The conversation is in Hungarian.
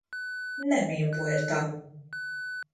Nem én voltam!